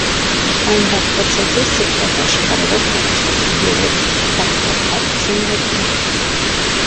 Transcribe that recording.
Այն բաղկացած է սրբատաշ քարերով կառուցված երեք թաղակապ սենյակներից։